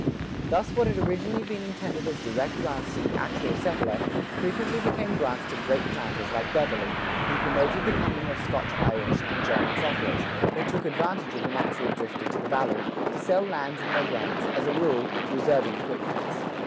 Thus what had originally been intended as direct grants to the actual settler, frequently became grants to great planters like Beverley, who promoted the coming of Scotch Irish and German settlers, or took advantage of the natural drift into the Valley, to sell lands in their grants, as a rule, reserving quit rents.